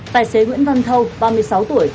tài xế nguyễn văn thâu ba mươi sáu tuổi